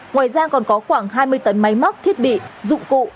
ngoài ra còn có khoảng hai mươi tấn máy móc thiết bị dụng cụ